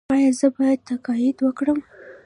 ایا زه باید تقاعد وکړم؟